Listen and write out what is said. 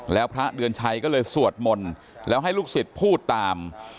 แล้วพระเดือนชัยก็เลยสวดมนต์แล้วให้ลูกศิษย์พูดตาม